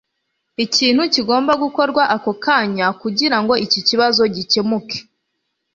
Ikintu kigomba gukorwa ako kanya kugirango iki kibazo gikemuke